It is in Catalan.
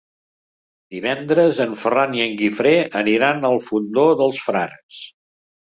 Divendres en Ferran i en Guifré aniran al Fondó dels Frares.